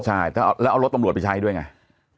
ใช่แล้วเอารถตำรวจไปใช้ด้วยไง